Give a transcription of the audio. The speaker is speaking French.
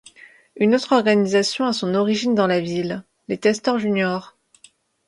Une autre organisation a son origine dans la ville, les Castors Juniors.